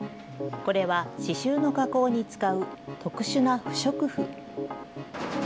これは刺しゅうの加工に使う特殊な不織布。